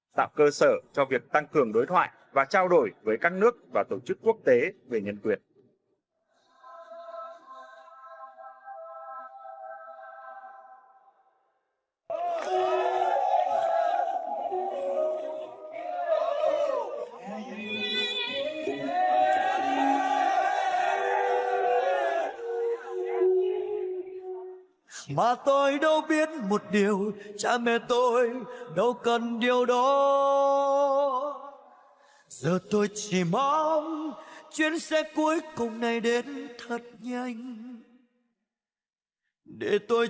tạo cơ sở cho việc tăng cường đối thoại và trao đổi với các nước và tổ chức quán của việt nam trong bảo vệ quyền con người